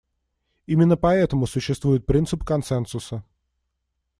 Именно поэтому существует принцип консенсуса.